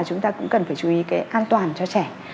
chúng ta cũng cần phải chú ý cái an toàn cho trẻ